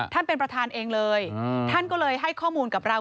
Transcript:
ท่านประธานเป็นประธานเองเลยท่านก็เลยให้ข้อมูลกับเรา